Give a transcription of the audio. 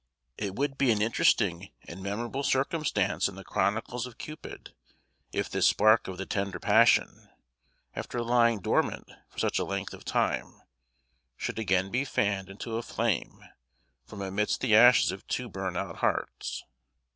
It would be an interesting and memorable circumstance in the chronicles of Cupid, if this spark of the tender passion, after lying dormant for such a length of time, should again be fanned into a flame from amidst the ashes of two burnt out hearts.